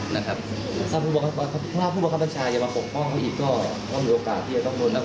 ถ้าล่าผู้บัญชาอย่ามาชบพ่อเขาอีกก็มีโอกาสหนีก็ต้องโดน